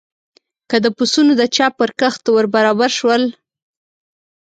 که د پسونو د چا پر کښت ور برابر شول.